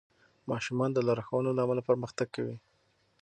ماشومان د لارښوونو له امله پرمختګ کوي.